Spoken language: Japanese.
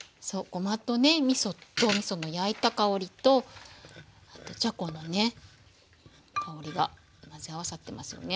ごまとねみその焼いた香りとあとじゃこのね香りが混ぜ合わさってますよね。